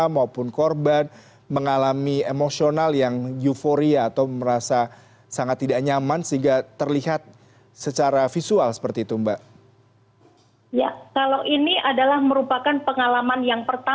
mungkin di ruang tidur maksud saya